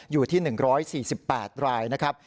อยู่ที่๑๔๘รายนะครับ